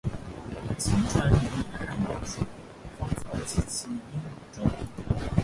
晴川历历汉阳树，芳草萋萋鹦鹉洲。